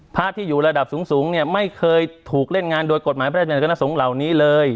พระที่อยู่ระดับสูงเนี่ยไม่เคยถูกเล่นงานโดยกฎหมายพระราชนสงฆ์เหล่านี้เลย